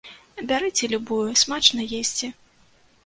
Бярыце любую, смачна есці!